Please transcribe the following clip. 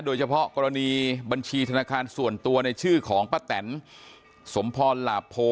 โดยเฉพาะกรณีบัญชีธนาคารส่วนตัวในชื่อของป้าแตนสมพรหลาโพ